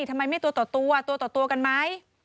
ทำไมไม่ตัวต่อตัวตัวต่อตัวกันไหม